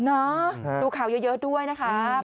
นะรู้ขาวเยอะด้วยนะครับ